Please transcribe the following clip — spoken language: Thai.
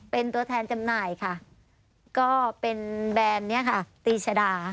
เป็นตัวแทนจำหน่ายค่ะก็เป็นแบรนด์นี้ค่ะตีชดา